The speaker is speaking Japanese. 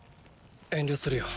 遠慮するよ。